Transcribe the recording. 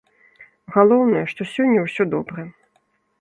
Галоўнае, што сёння ўсё добра.